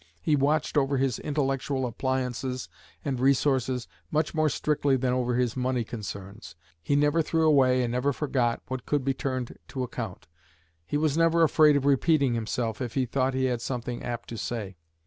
He watched over his intellectual appliances and resources much more strictly than over his money concerns. He never threw away and never forgot what could be turned to account. He was never afraid of repeating himself, if he thought he had something apt to say.